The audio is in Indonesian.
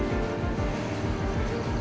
demi istri kamu